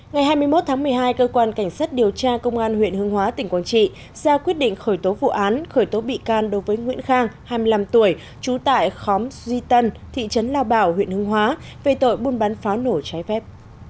ngày hai mươi một tháng một mươi hai cơ quan cảnh sát điều tra công an huyện hương hóa tỉnh quảng trị ra quyết định khởi tố vụ án khởi tố bị can đối với nguyễn khang hai mươi năm tuổi trú tại khóm duy tân thị trấn lao bảo huyện hương hóa về tội buôn bán pháo nổ trái phép